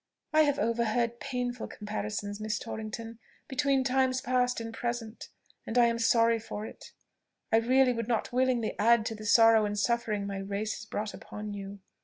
"I have overheard painful comparisons, Miss Torrington, between times past and present, and I am sorry for it. I really would not willingly add to the sorrow and suffering my race has brought upon you.